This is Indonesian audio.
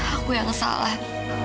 aku yang salah